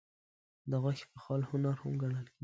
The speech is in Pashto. د غوښې پخول هنر هم ګڼل کېږي.